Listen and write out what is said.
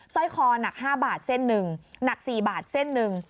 ร้อยคอหนัก๕บาทเส้นหนึ่งหนัก๔บาทเส้นหนึ่ง